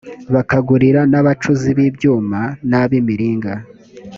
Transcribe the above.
bakagurira n abacuzi b ibyuma n ab imiringa